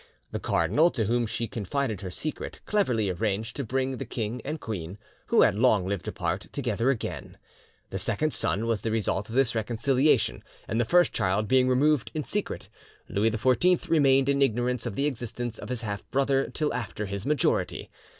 The cardinal, to whom she confided her secret, cleverly arranged to bring the king and queen, who had long lived apart, together again. A second son was the result of this reconciliation; and the first child being removed in secret, Louis XIV remained in ignorance of the existence of his half brother till after his majority.